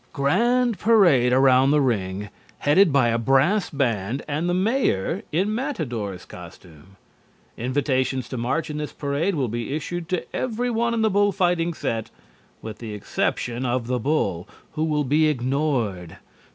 Grand parade around the ring, headed by a brass band and the mayor in matador's costume. Invitations to march in this parade will be issued to every one in the bull fighting set with the exception of the bull, who will be ignored.